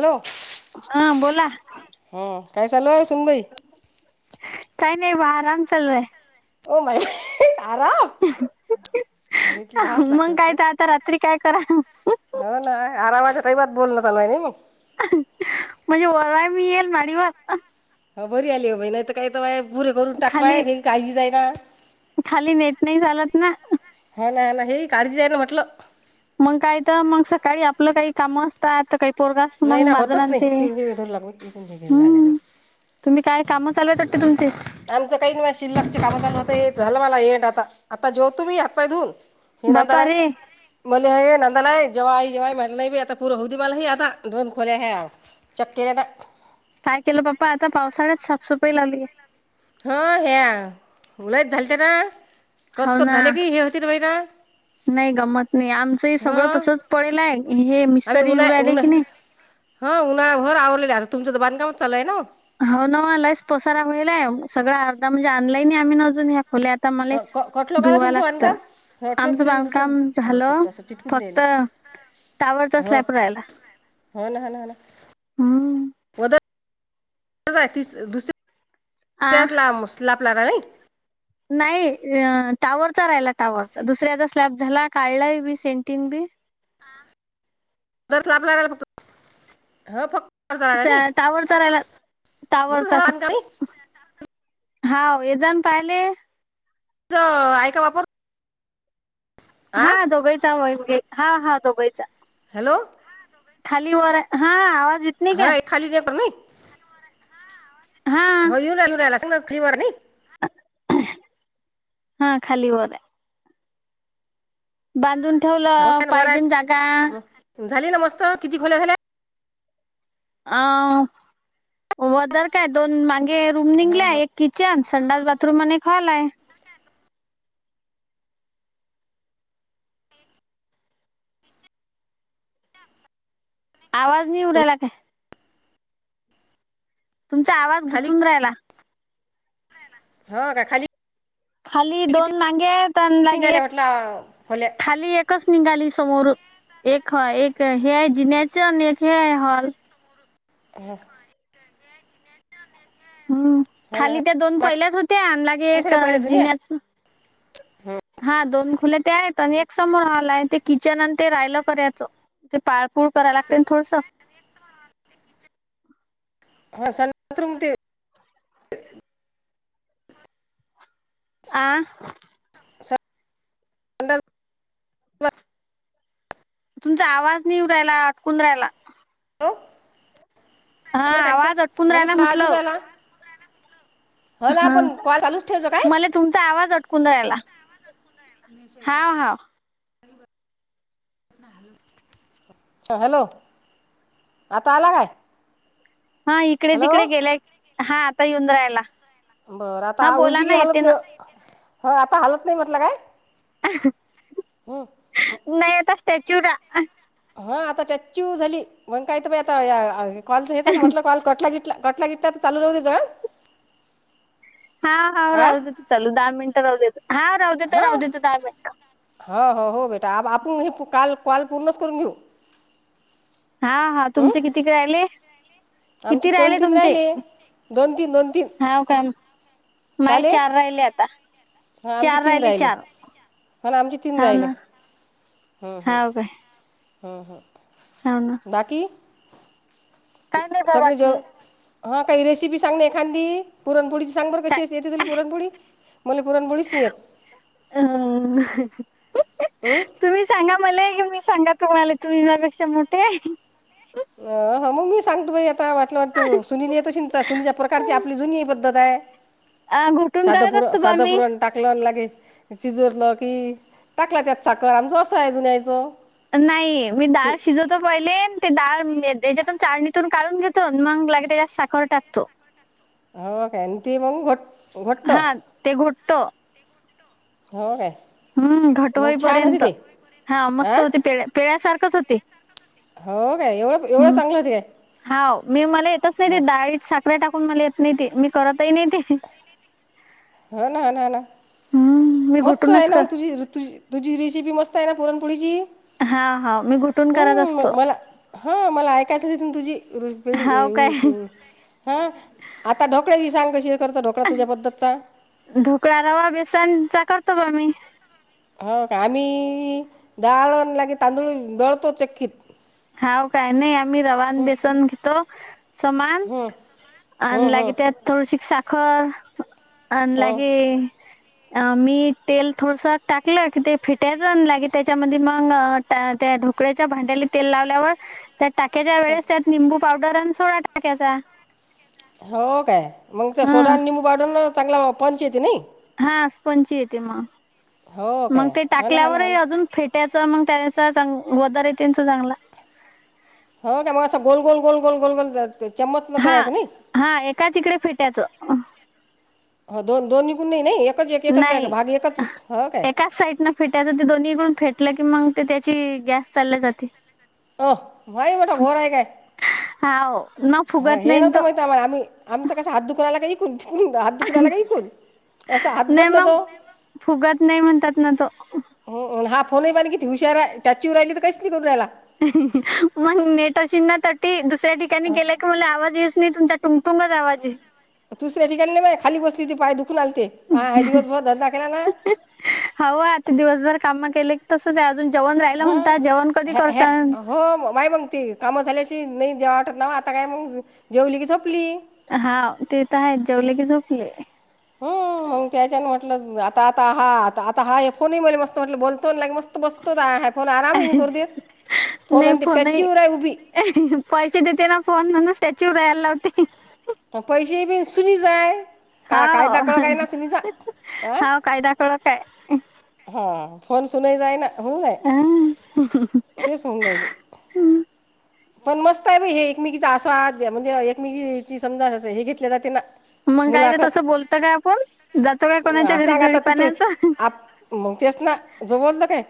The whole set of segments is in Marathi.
हॅलो, हा बोला काय चालू आहे सुनबाई. काय नाही वा आराम चालू आहे. ओ माय आराम अ हे तिजा हाच मग लक्षात काय आहे. तर आता रात्री काय करा हो ना, आरामाच्या टाईमात बोलणं चालू ये नी. म्हणजे ओडाय मी येईल माडीवर. हा बरी आली बाई नाहीत काय तर बाय पुरे करून खाली टाकपाय. [unintelligible] खाली नेट नाही चालत ना. हाव ना हा ना हे ही काळजी आहे ना म्हटलं. मग काय तर मग सकाळी आपलं, काही कामं असतात. तर काही पोरगाच, नाही मग माझं होतच ना नाही ते. हे- हे धरू लागलो इथून हे घेऊन झाले नाही हम्.. तुम्ही काय काम चालु आहेत वाटतं तुमचे? आमचं काही नाही शिल्लकची काम चालू होते. झालं मला येंड आता, आता जेवतो मी हात पाय धुऊन. हो बापा म्हणतारा रे मले हे नंदानाय जेवाई जेवाई मानलंय बाई आता पुरं होऊ दे मला हे आता. दोन खोल्या ह्या चक्के दादा. काय केलं पप्पा आता पावसाळ्यात साफसफई लावलीय. हा ह्या लयच झालेते ना हो कचकच ना झाले की हे होती रे बाईरा. नाही गंमत नाही आमचं ही सगळं हं तसच पडेला आहे हे मिस्तरी येऊ राहिले की नाही? हा उन्हाळा भर आवरलेलं आता तुमचं तर बांधकामच चालू आहे ना. हो ना म लईस पसारा होईलाय सगळं अर्धा म्हणजे ऑनलाईन आम्ही ना अजून ह्या खोल्यात. त मले धुवाय लागतं. हॉटलो आमचं घे उचल बांधकाम असं झालं तसं चिटकून देईल. फक्त टावरचा हा स्लॅब राहिला हाव ना हा ना हा ना. हम्म. तज आहे तीस आ दुसऱ्यात लाम स्लॅप लगा नाही. नाही अ टावरचा राहिला टावरचा दुसऱ्याचा स्लॅप झाला काढला बी सेंटिंग बी दर [unintelligible] लागल फक्त हा फक् सं... टावरचा राहिला, मस्त टावरचा झाला बांधकाम फक्तं. नाही हाव येजा न पायाले. हाय का वापर. हा दोघइचा [unintelligible] हा हा दोघइचा. हॅलो. खाली वर आहे हा आवा है खाली [unintelligible] हा हो येऊन राहिला [unintelligible] क्लिवर नी. हा खाली वर आहे. बांधून ठेवलं मस्त बरं पाहिजेन आहे जागा. झाली न मस्त किती खोल्या झाल्या? आव वदर काय दोन मांगे रूम निघल्या एक किचन, संडास, बाथरूम आणि एक हॉल आहे. आवाज नाही येऊ राहिला काय? तुमचा आवाज गुंतून राहिला. हाव का खाली खाली किती दोन नागे, लागे निघाल्या म्हटलं खोल्या खाली एक. कस निघाली समोर एक हाय एक हे आहे जिण्याचं आणि एक हे हाय हॉल. हाक हम्म हो ना खाली त्या दोन माग पहिल्याच होत्या आण लागे एक जिन्याच हा. हा दोन खुले ते आहेत आणि, एक समोर हॉल हाय ते किचन आणि ते राहिला करायचं. ते पाळ पूळ करायला लागते ना थोडसं. हा संत्रम ते, आं [unintelligible] बाथ- तुमचा आवाज नाही येवू राहियला अटकून राहायला. हो, हा बरं कांचन आवाज अटकून मला राहायला तुला अजून म्हटलं. आला हो ना, हा आपण कॉल चालूच ठेचो काय. मला तुमचा आवाज अटकून राहिला, हाव हाव. हॅलो, आता आला काय. हा इकडे हॅलो तिकडे गेल्याय हा, आता येऊन रायला. बरं आता उलची की हालत नाही हा आता हालत नाही म्हटलं काय. हं. नाही आता स्टॅच्यू रा. हा आता त्याचीव झाली मंग काय ते बाय या आता हे कॉलचा म्हटलं कॉल कटला गीटला कटला गिटला तर चालू राहू दे जा. हा हा राहू देतो चालू दहा मिनिटं राह देत हा राहू देतो हां राहू देतो दहा मिनिटं. हो हो हो बेटा आप आपुण हे काल कॉल पूर्णच करून घेऊ. हा हा हं? तुमचे किती क राहिले? आमची किती दोन राहिले तीन तुमचे, दोन तीन दोन तीन हाव का. माय चाले चार राहिले आता चार राहिले चार. ह ना आमचे तीन हाव राहिले. ना हम्म हम्म. हाव काय हम्म हम्म... हाव ना. बाकी काय नाही बाबा सगळे ज की हा काही रेसिपी सांगणे, एखादी पुरणपोळी. सांग बरं काय कशी येते तुझेले पुरणपोळी मला पुरणपोळीच नाही येत. हं? तुम्ही सांगा मला क मी सांगा तुम्हाला तुम्ही मायपेक्षा मोठे. अ हो मंग मी सांगतो बाई आता वाटलं तु सुनीलयत शिंचा सुनीचा प्रकारची आपली जुनी प त दाय अ, घोटून सादं करत पुरं असतो बा सादं मी पुरं टाकलं लागे शिजतलं की टाकला त्यात साखर [unintelligible] आहे जुन्यायचं. नाही मी डाळ शिजत तो पहिलेन ते डाळ म हेच्यातून चालणीतून काढून घेतो मग लगे त्याज्यात साखर टाकतो. हो काय, आणि मंग घोट. घट्ट हा ते घोटतं. हाव काय हम्म मग छान होते घटवईपर्यंत ते हा मस्त हां होती पेळ्या पेळ्यासारखच होती. हो काय एवढं, एवढं चांगलं होती काय. हाव मी मला येतच नाही ते, हो डाळीत साखर्या टाकून मला येत नाही ते मी करतही नाही ते. हो ना हा ना हा ना हम्म, मी मस्त आहे घुटूनच ना कर तुझी ऋतु तुझी रेसिपी मस्त आहे, ना पुरणपोळीची. हाव हाव मी घुटून करत हम्म असतो म मला हा मला ऐकायचं तिथून तुझी. हाव काय [unintelligible] हा आता ढोकळ्याची सांग कशी करता ढोकळा तुझ्या पद्धतचा. ढोकळा रवा, बेसन चा करतो बा मी. हा आम्ही डाळ लागे, तांदूळ दळतो चक्कीत. हाव काय नाही आम्ही रवा आन बेसन घेतो समान हं अन हं हं लागत्या थोडसिक साखर अन हं लागे आ मी तेल थोडसं टाकलं की ते फिटायचं आन लागे त्याच्यामध्ये मंग त्या त्या ढोकळ्याच्या भांड्याले तेल लावल्यावर त्या टाक्याच्या वेळेस त्यात निंबू पावडर आणि सोडा टाक्याचा. हो काय मंग त्या सोडा आणि निंबू पाढून चांगला पंच येते नाही. हा स्पंच येते म हो मंग काय ते हा ना हा ना हा टाकल्यावरही ना अजून फेट त्याच मंग त्यांचा चांग वदार येते त्यांचा चांगला. हो काय मग असं गोल, गोल, गोल, गोल गोल गोल चम्मच करायचं नाही. हा एकाच इकडे फेटायचं. हो दोन-दोन निघून नाही-नाही एकच एक एकाच भागी एकाच हो काय. त्याच साईड ना. फेटायच ते दोन्हीकडून फेटलं कि मग ते त्याची गॅस चालली जाते. भाई मठ घोर आहे काय? हाओ हा हे नव्हतं माहित आम्हा आम्ही. आमचं कसं हात दुखरायला काही कून कुन हात दुखरायला काही कून असं हात नाही मग बदलतो. फुगत नाही म्हणतात ना तो. हो हा आन फोन आहे बाईने किती हुशा टॅचीवर राहिली तर काहीच नाही करू रायला. मंग नेट आशिनं तटी दुसऱ्या ठिकाणी हं. गेला की मला आवाज येयच नाही तुमचा तुंग तुंग जावाजे. दुसऱ्या ठिकाणी नाही बाय खाली बसली ती पाय दुखून आलते हा हा दिवस भर धंदा केला ना. हावं आता दिवसभर कामं केले की तसंच आहे अजून जेवण राहिलं हां म्हणता जेवण कधी ह्या करसायन. ह्या हो माय मंगती. कामं झाल्याशी नाही जेव वाटत ना आता काय मंग जेवली की झोपली. हाव ते तर आहेत जेवले की झोपले. हो मंग त्याच्याने म्हटलं आता आता हा आता हा फोन मले मस्त वाटलं बोलतोन ला मस्त तो बसतो ताय हाय फोन आराम ही नी करू देत फोन आन त्याचीवर आहे उभी. पैशे देते ना फोन म्हणून स्टॅच्यू राहायला लावते. पैशे बी सुुनीचा हाय. का काय हाव दाकळ काही ना सुनीचा आं. हाव कायदा कडक हा फोन सुना, जाय ना म्हण नाय. आं तेच सांगून राहिले. पण मस्त आहे बाई हे एकमेकीचा असं म्हणजे एकमेकी ची समजा असे हे घेतले जाते ना. मंग काय ते मुलाखत तसं बोलत काय आपण जातो काय कोणाच्या घरी जोडी पाण्याचं. मंग तेच ना जो बोलतं काय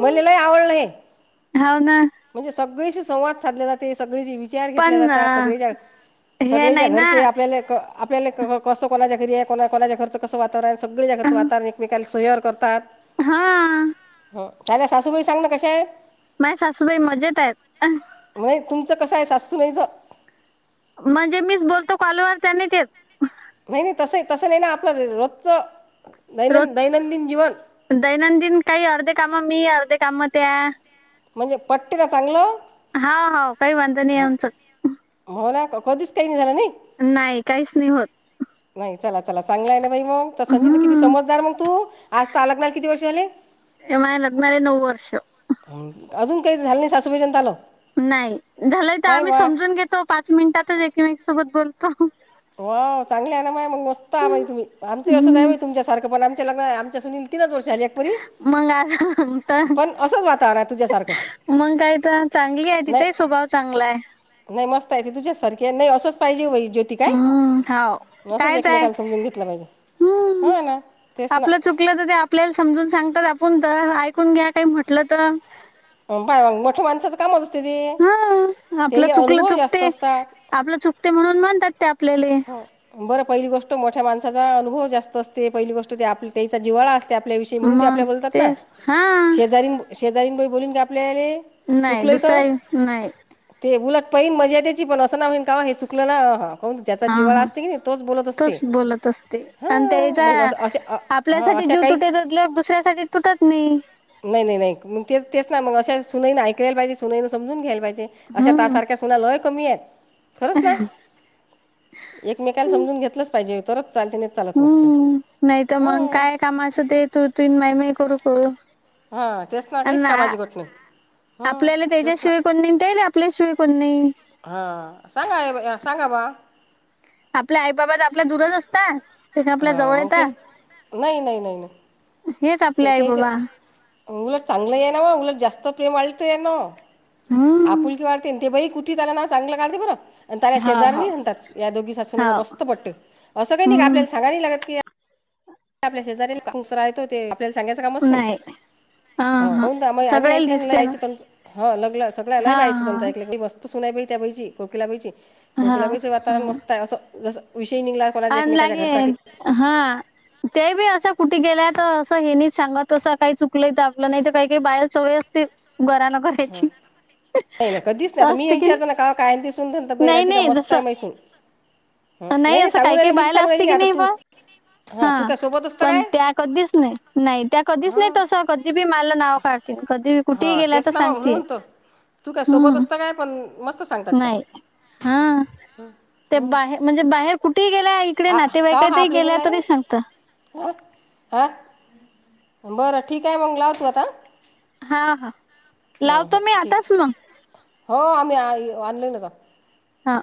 मले लय आवडलं हे. हाव ना. म्हणजे सगळीशी संवाद साधले जाते सगळेची विचार घेतल्या पण जातात अ, सगळेच्या हे सगळेच्या नाही ना घरचे आ आपल्या क आपल्याला क कसं कोणाच्या घरी आहे कोणा कोणाच्या घरचं कसं वातावरण सगळ्याज्या घरचं वातावरण एक मी काल सुयर करतात. हां. हो त्याला सासूबाई सांग ना कशा आहे? माय सासूबाई मजेत आहेत. वय तुमचं कसं आहे सासु बाईचा. म्हणजे मीच बोलतो, कॉलवर त्यांनी ते. नाही नाही तसं तसं नाही ना आपलं रोजचं दैनं रोज दैनं दिन जीवन दैनंदिन काही अर्धे कामं मी अर्धे काम त्या म्हणजे पट्टला का चांगलं. हाव हाव काही वांदा नाही आमचं. हो ना कधीच काही नाही झाला नाही. नाही काहीच नाही होत. नाही चला चला चांगला आहे ना बाई मंग त्या संजीत किती हम्म समजदार मग तू. आज तालकंनाल किती वर्ष झाले? ये माया लग्नला नऊ वर्ष. अजून काही झालं नाही सासूबाई [unintelligible] आलं. नाही झालंय तर पाय आम्ही वा समजून घेतो पाच मिनिटातच एकीमेकी सोबत बोलतो. हो चांगलं आहे ना माय मग मस्त आ बाई तुम्ही आमचे असंच हम्म. हाय तुमच्यासारखं पण आमच्या लग्न आमच्या सुनी तीनच वर्ष झाली एक पोरी मग आता तर पण असंच वातान आहे तुझ्यासारखं. मग काय तर चांगली आहे नाही तिचाही स्वभाव चांगला आहे. नाही मस्त आहे ती तुझ्यासारखे नाही असंच पाहिजे बाई जो उम्म हाव कायच आहे समजून घेतलं पाहिजे हम्म हो ना तेच ना आपलं चुकी कलं तर ते आपल्याला समजून सांगतात आपुन त्या ऐकून घ्या काही म्हटलं तर. ओम भावन मोट्या भावनाचाच कामच असते ते हा आपलं त्याइले चुकलं अनुभव जास्त चुकते असता. आपलं चुकते म्हणून म्हणतात ते आपल्याले. हं. बरं पहिली गोष्ट मोठ्या माणसाचा अनुभव जास्त असते पहिली गोष्ट ते आप त्याचा जिवाळा अस ते आपल्या विषयी म्हणून ते मग आपल्या बोलतात ना तेच हा शेजारीन शेजारीन बाई बोलीन का आपल्याला नाही चुकलय तर. दुसरा नाही ते उलट पाईन मजा त्याची पण असं ना होईन का हे चुकलं ना हा कौन हा हा तोच बोलत असते आणि हां त्याज्या मग आप असं अशा अ- हां आपल्यासाठी अशा जीव काही तुटेत दुसऱ्यासाठी तुटत नाही. नाही नाही नाही ते तेच ना मग अशा सुनईनं ऐकायला पाहिजे सुनईनं समजून घ्यायला पाहिजे अशा त्या हम्म सारख्या त्याला लय कमी आहेत खरच ना. एकमेकाला समजून घेतलंच पाहिजे तरच चालते ना हम्म नाही तर मंग काय कामाचा ते तु तिन मय मय करू. [unintelligible] हा तेच ना काहीच कामाची गट नाही. हां आपल्याला तेच ना त्याच्याशिवाय कोण नाही आन त्याले आपल्याशिवाय कोण नाही. हा सांगाय बाई अ सांगा बा. आपल्या आई बाबा तर आपल्या दूरज असतात. ते काय आपल्या हा जवळ मंग तेच येतात नाही नाही नाही ना. हेच आपले ते आई तेच बाबा उलट चांगलं आहे ना उलट जास्त प्रेम वाळते ना. हम्म आपुलकी वाढते तेन बई कुठे त्याला नाव चांगलं काढते बरं. आणि त्याला हा हा शेजऱ्यांनी बोलतात या दोघी हा सासूसुनेचं मस्त पटतं असं काही नाही का हम्म आपल्याला सांगाय नाही लागत. की आपल्या शेजाारीलाच राहतो ते आपल्याला सांगायच कामच नाही. हा हो हा होऊन मग आम्ही सगळ्याला ऐकय दिसते ल ना हा [unintelligible] हा तुमं ऐक मस्त सुनाय बाई त्या बाईची कोकिलाबाईची हा कोकिलाबाईचा वातावरण मस्त आहे असं जसं विषय निघला. कोणाच्या आन एकमेकाच्या घरचा की लागेन हा. ते बी असं कुठे गेल्याय तर असं हेनीच सांगत असं काही चुकलंय तर आपलं नाही तर काही काही बायाला सवय असतील. बरा ना करायची. नाही नाही कधीच नाही आता मी असते की नाही विचारतो ना का काय दिसून [unintelligible] बाय नाही राहतीका नाही मस्त आहे जसं माय सून. नाही असं काही काही बायाला सांगून राहिली असते की आता नाही तू बा. हां तू हा काय सोबत असतं पण काय त्या कधीच नाही नाही त्या कधीच नाही हां तसं कधी बी मालं नाव काढ कधी बी कुठेही हां गेल्या तेच तर सांगतील ना [unintelligible] तू काय सोबत असता काय पण मस्त सांगतात त्या नाय हा. ते हं. बाहेर म्हणजे बाहेर कुठेही गेल्या इकडे आ नातेवाईकात ही गेल्या तरी सांगतं. आं आं बरं ठीक आहे मंग लाव तू आता. हा हा हं, हं, लावतो मी ठीक आताच म. हो आम्ही आई आणलेलजा. हा.